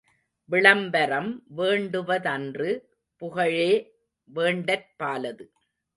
விளம்பரம் வேண்டுவதன்று புகழே வேண்டற்பாலது.